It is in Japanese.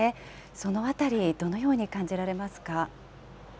そのあたり、どのように感じられますか。